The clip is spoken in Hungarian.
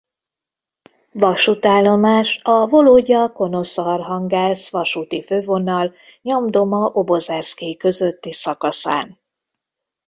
Vasútállomás a Vologda–Konosa–Arhangelszk vasúti fővonal Nyandoma–Obozerszkij közötti szakaszán.